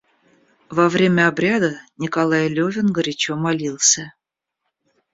Во время обряда Николай Левин горячо молился.